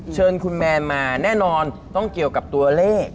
เชิญคุณแมนมาแน่นอนต้องเกี่ยวกับตัวเลข